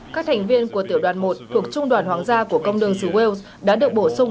các thành viên của tiểu đoàn một thuộc trung đoàn hoàng gia của công đường xứ wales đã được bổ sung